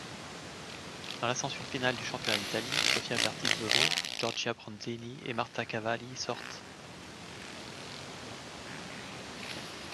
Dans l'ascension finale du championnat d'Italie, Sofia Bertizzolo, Giorgia Bronzini et Marta Cavalli sortent.